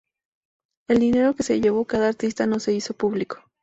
El dinero que se llevó cada artista no se hizo público.